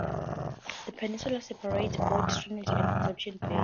The peninsula separates both Trinity and Conception Bay.